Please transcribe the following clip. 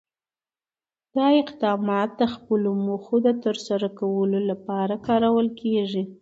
دا اقدامات د خپلو موخو د ترسره کولو لپاره کارول کېږي.